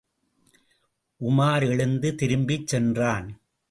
உமார் எழுந்து, திரும்பிச் சென்றான்.